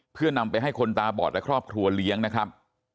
เพื่อนำไปให้คนตาบอดและครอบครัวเลี้ยงนะครับ